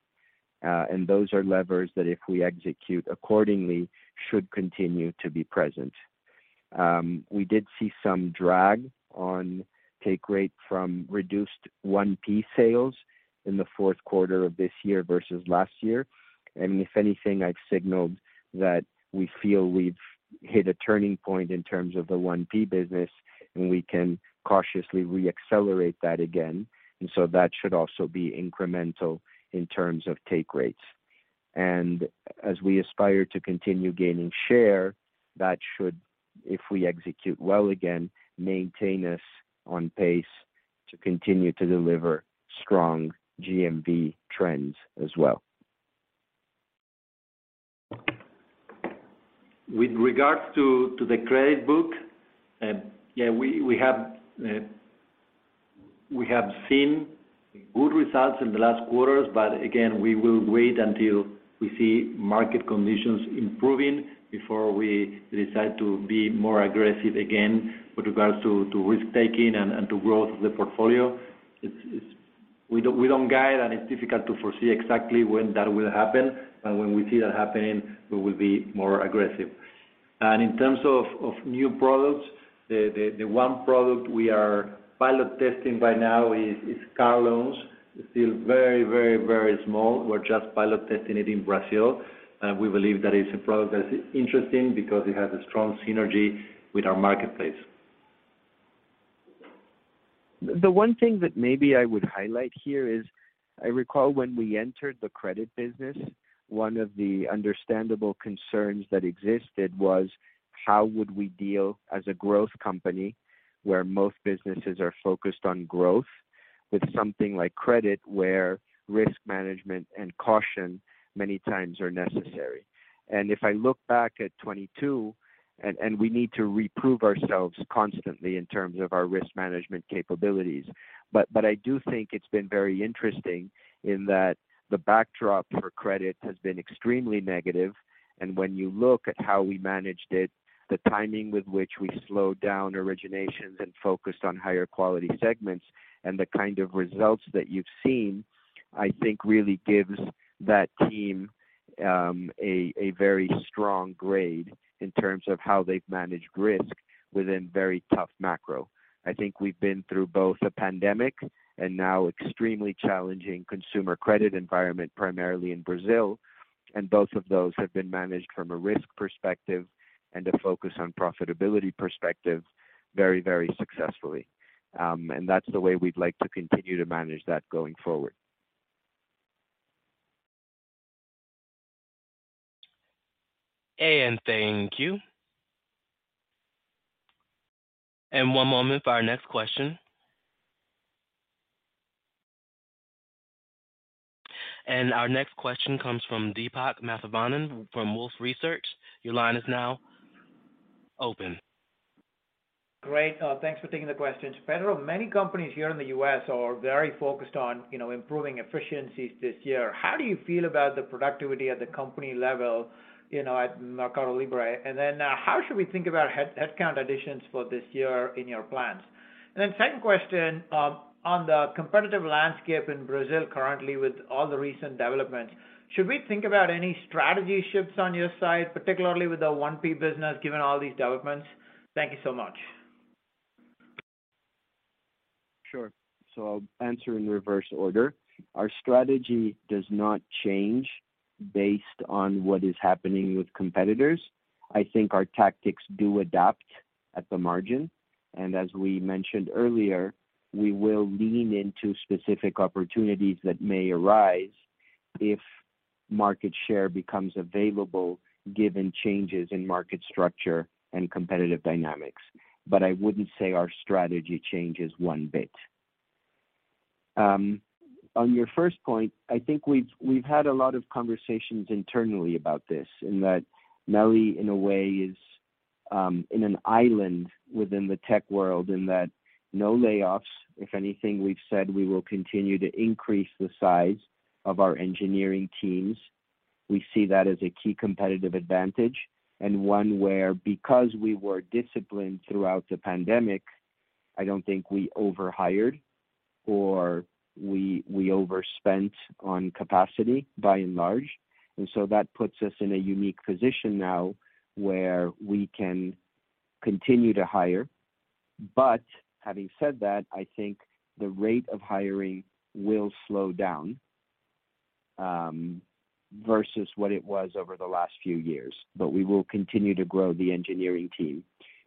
Those are levers that if we execute accordingly, should continue to be present. We did see some drag on take rate from reduced 1P sales in the Q4 of this year versus last year. If anything, I've signaled that we feel we've hit a turning point in terms of the 1P business, and we can cautiously reaccelerate that again. That should also be incremental in terms of take rates. As we aspire to continue gaining share, that should, if we execute well again, maintain us on pace to continue to deliver strong GMV trends as well. With regards to the credit book, yeah, we have seen good results in the last quarters. Again, we will wait until we see market conditions improving before we decide to be more aggressive again with regards to risk-taking and to growth of the portfolio. It's We don't guide. It's difficult to foresee exactly when that will happen. When we see that happening, we will be more aggressive. In terms of new products, the one product we are pilot testing by now is car loans. It's still very, very, very small. We're just pilot testing it in Brazil. We believe that it's a product that's interesting because it has a strong synergy with our marketplace. The one thing that maybe I would highlight here is, I recall when we entered the credit business, one of the understandable concerns that existed was how would we deal as a growth company where most businesses are focused on growth with something like credit, where risk management and caution many times are necessary. If I look back at 2022. We need to reprove ourselves constantly in terms of our risk management capabilities. I do think it's been very interesting in that the backdrop for credit has been extremely negative. When you look at how we managed it, the timing with which we slowed down originations and focused on higher quality segments and the kind of results that you've seen I think really gives that team a very strong grade in terms of how they've managed risk within very tough macro. I think we've been through both a pandemic and now extremely challenging consumer credit environment, primarily in Brazil. Both of those have been managed from a risk perspective and a focus on profitability perspective very successfully. That's the way we'd like to continue to manage that going forward. Thank you. One moment for our next question. Our next question comes from Deepak Mathivanan from Wolfe Research. Your line is now open. Great. Thanks for taking the question. Pedro, many companies here in the U.S. are very focused on, you know, improving efficiencies this year. How do you feel about the productivity at the company level, you know, at MercadoLibre? How should we think about headcount additions for this year in your plans? Second question, on the competitive landscape in Brazil currently with all the recent developments, should we think about any strategy shifts on your side, particularly with the 1P business, given all these developments? Thank you so much. Sure. I'll answer in reverse order. Our strategy does not change based on what is happening with competitors. I think our tactics do adapt at the margin. As we mentioned earlier, we will lean into specific opportunities that may arise if market share becomes available given changes in market structure and competitive dynamics. I wouldn't say our strategy changes one bit. On your first point, I think we've had a lot of conversations internally about this. In that, MELI in a way is in an island within the tech world in that no layoffs. If anything, we've said we will continue to increase the size of our engineering teams. We see that as a key competitive advantage and one where because we were disciplined throughout the pandemic, I don't think we overhired or we overspent on capacity by and large. That puts us in a unique position now where we can continue to hire. Having said that, I think the rate of hiring will slow down versus what it was over the last few years. We will continue to grow the engineering team.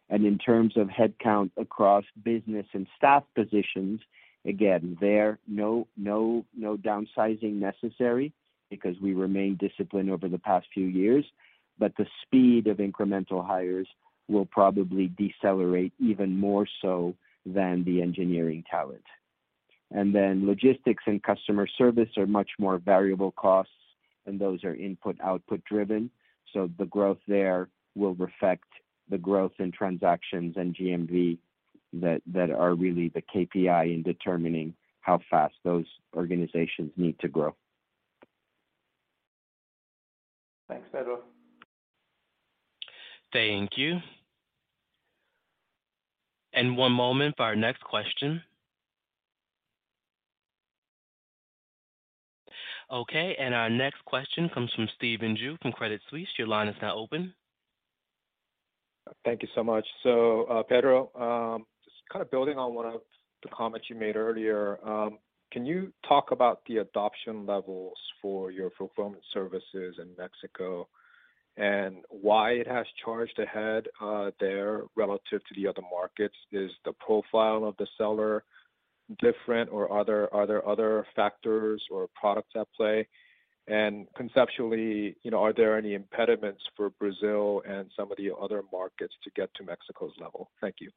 In terms of headcount across business and staff positions, again, there no downsizing necessary because we remain disciplined over the past few years. The speed of incremental hires will probably decelerate even more so than the engineering talent. Then logistics and customer service are much more variable costs, and those are input/output driven. The growth there will reflect the growth in transactions and GMV that are really the KPI in determining how fast those organizations need to grow. Thanks, Pedro. Thank you. One moment for our next question. Okay, our next question comes from Stephen Ju from Credit Suisse. Your line is now open. Thank you so much. Pedro, just kind of building on one of the comments you made earlier. Can you talk about the adoption levels for your fulfillment services in Mexico and why it has charged ahead there relative to the other markets? Is the profile of the seller different or are there other factors or products at play? Conceptually, you know, are there any impediments for Brazil and some of the other markets to get to Mexico's level? Thank you.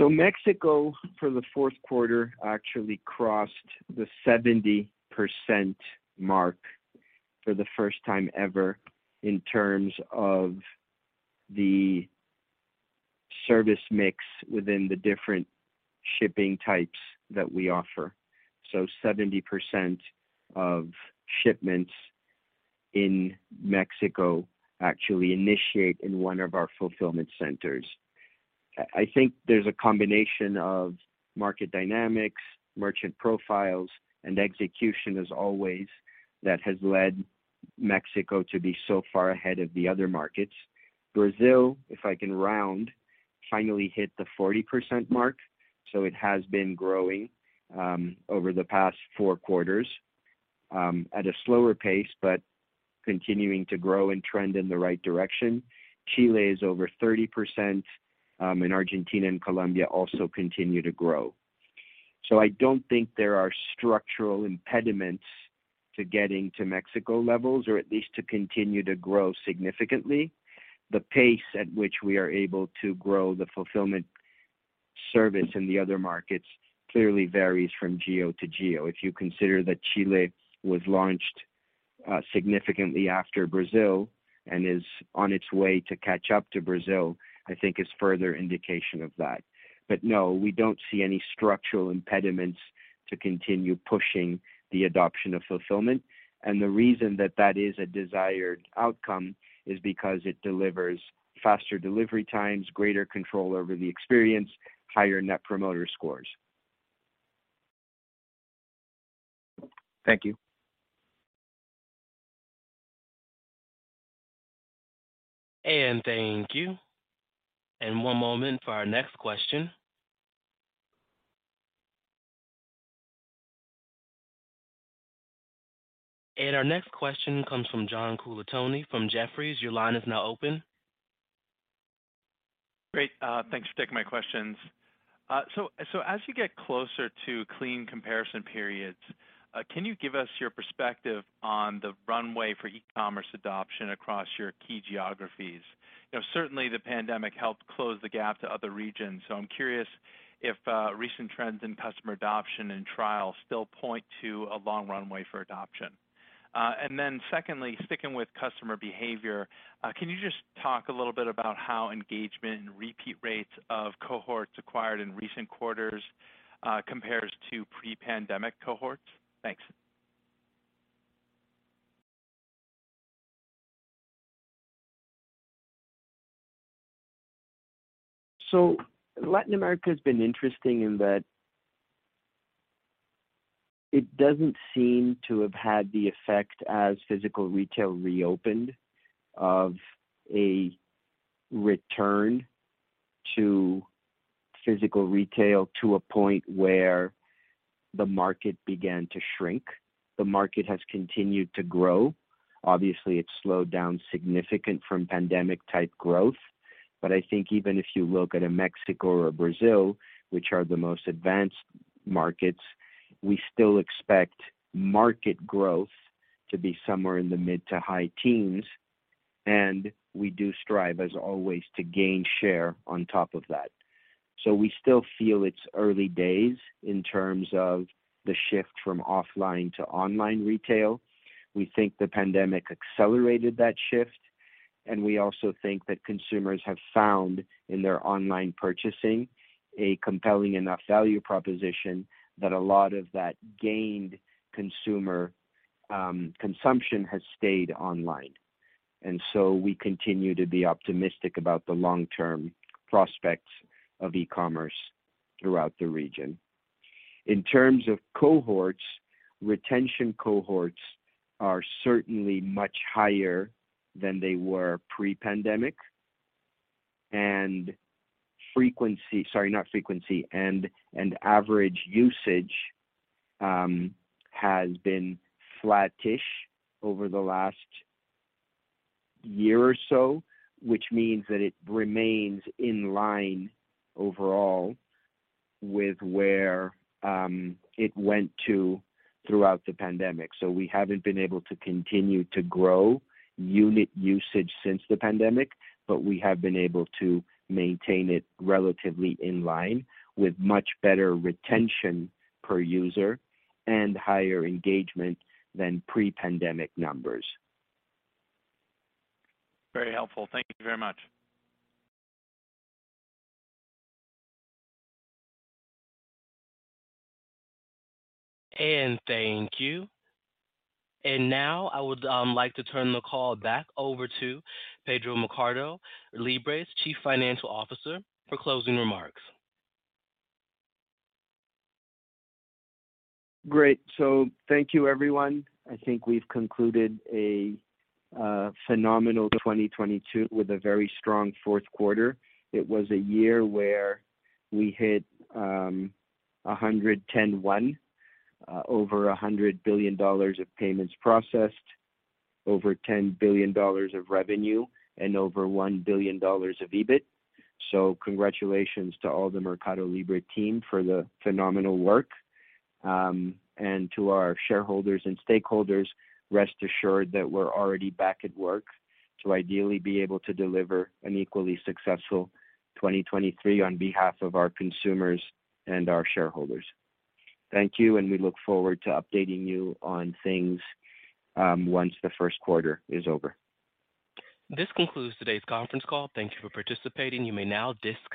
Mexico, for the Q4, actually crossed the 70% mark for the first time ever in terms of the service mix within the different shipping types that we offer. 70% of shipments in Mexico actually initiate in one of our fulfillment centers. I think there's a combination of market dynamics, merchant profiles, and execution as always that has led Mexico to be so far ahead of the other markets. Brazil, if I can round, finally hit the 40% mark, so it has been growing over the past four quarters at a slower pace, but continuing to grow and trend in the right direction. Chile is over 30%. Argentina and Colombia also continue to grow. I don't think there are structural impediments to getting to Mexico levels or at least to continue to grow significantly. The pace at which we are able to grow the fulfillment service in the other markets clearly varies from geo to geo. If you consider that Chile was launched, significantly after Brazil and is on its way to catch up to Brazil, I think is further indication of that. No, we don't see any structural impediments to continue pushing the adoption of fulfillment. The reason that that is a desired outcome is because it delivers faster delivery times, greater control over the experience, higher Net Promoter Scores. Thank you. Thank you. One moment for our next question. Our next question comes from John Colantuoni from Jefferies. Your line is now open. Great. Thanks for taking my questions. As you get closer to clean comparison periods, can you give us your perspective on the runway for e-commerce adoption across your key geographies? You know, certainly the pandemic helped close the gap to other regions, so I'm curious if recent trends in customer adoption and trial still point to a long runway for adoption. Secondly, sticking with customer behavior, can you just talk a little bit about how engagement and repeat rates of cohorts acquired in recent quarters, compares to pre-pandemic cohorts? Thanks. Latin America has been interesting in that it doesn't seem to have had the effect as physical retail reopened of a return to physical retail to a point where the market began to shrink. The market has continued to grow. Obviously, it slowed down significant from pandemic-type growth. I think even if you look at a Mexico or Brazil, which are the most advanced markets, we still expect market growth to be somewhere in the mid to high teens, and we do strive, as always, to gain share on top of that. We still feel it's early days in terms of the shift from offline to online retail. We think the pandemic accelerated that shift, and we also think that consumers have found in their online purchasing a compelling enough value proposition that a lot of that gained consumer consumption has stayed online. We continue to be optimistic about the long-term prospects of e-commerce throughout the region. In terms of cohorts, retention cohorts are certainly much higher than they were pre-pandemic. Average usage has been flattish over the last year or so, which means that it remains in line overall with where it went to throughout the pandemic. We haven't been able to continue to grow unit usage since the pandemic, but we have been able to maintain it relatively in line with much better retention per user and higher engagement than pre-pandemic numbers. Very helpful. Thank you very much. Thank you. Now I would like to turn the call back over to Pedro Arnt, MercadoLibre's Chief Financial Officer, for closing remarks. Great. Thank you, everyone. I think we've concluded a phenomenal 2022 with a very strong Q4. It was a year where we hit over $100 billion of payments processed, over $10 billion of revenue, and over $1 billion of EBIT. Congratulations to all the MercadoLibre team for the phenomenal work. And to our shareholders and stakeholders, rest assured that we're already back at work to ideally be able to deliver an equally successful 2023 on behalf of our consumers and our shareholders. Thank you, and we look forward to updating you on things once the Q1 is over. This concludes today's conference call. Thank you for participating. You may now disconnect.